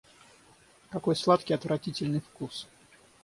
Какой сладкий отвратительный вкус!